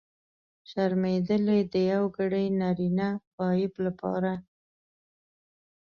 شرمېدلی! د یوګړي نرينه غایب لپاره.